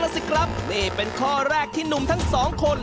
สิครับนี่เป็นข้อแรกที่หนุ่มทั้งสองคน